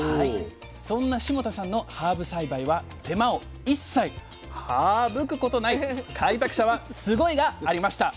そんな霜多さんのハーブ栽培は手間を一切ハーブくことない開拓者はスゴイ！がありました。